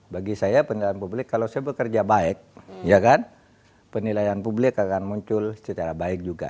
bagi saya penilaian publik kalau saya bekerja baik penilaian publik akan muncul secara baik juga